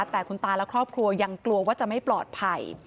แต่คุณตาและครอบครัวยังกลัวว่าจะไม่ปลอดภัย